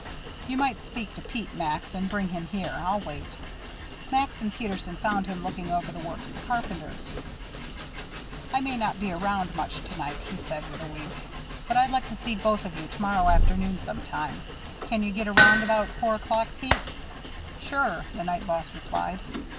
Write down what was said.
"You might speak to Pete, Max, and bring him here. I'll wait." Max and Peterson found him looking over the work of the carpenters. "I may not be around much to night," he said, with a wink, "but I'd like to see both of you to morrow afternoon some time. Can you get around about four o'clock, Pete?" "Sure," the night boss replied.